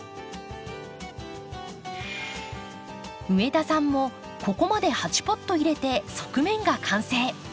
上田さんもここまで８ポット入れて側面が完成。